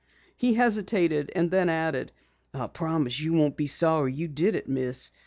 He hesitated and then added: "I promise you won't be sorry you did it, Miss.